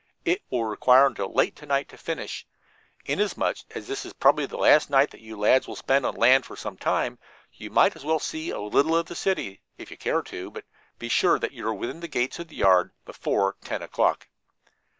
"It will require until late to night to finish. Inasmuch as this is probably the last night that you lads will spend on land for some time, you might as well see a little of the city, if you care to, but be sure that you are within the gates of the yard before ten o'clock."